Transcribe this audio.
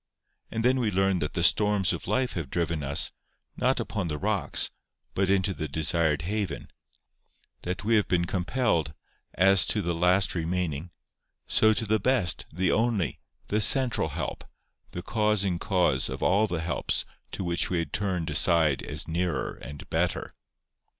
And then we learn that the storms of life have driven us, not upon the rocks, but into the desired haven; that we have been compelled, as to the last remaining, so to the best, the only, the central help, the causing cause of all the helps to which we had turned aside as nearer and better.